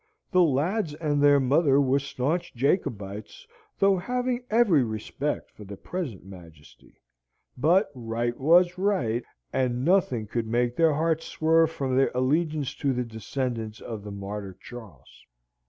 The lads and their mother were staunch Jacobites, though having every respect for his present Majesty; but right was right, and nothing could make their hearts swerve from their allegiance to the descendants of the martyr Charles.